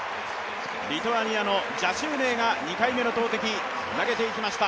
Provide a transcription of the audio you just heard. リトアニアのジャシウネイが２回目の投てき。